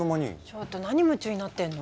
ちょっと何夢中になってんの？